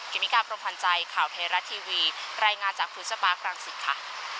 เมกาพรมพันธ์ใจข่าวเทราะทีวีรายงานจากฟูสปาร์ครังสิตค่ะ